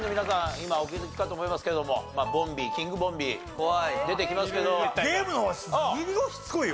今お気づきかと思いますけどもボンビーキングボンビー出てきますけど。